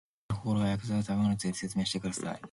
説明してください